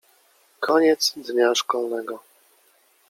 Koniec dnia szkolnego.